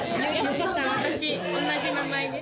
私、同じ名前です。